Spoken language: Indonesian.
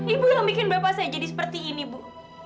ibu yang bikin bapak saya jadi seperti ini bu